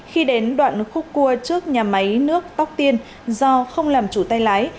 khi đến đoạn khúc cua trước nhà máy nước tóc tiên do không làm chủ tay lái